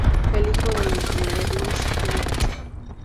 Es hijo del entrenador Louis Bennett.